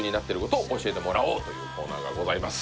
コーナーがございます